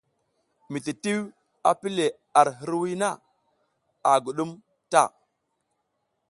Mititiw a pi le ar hiriwiy na, a guɗum ta.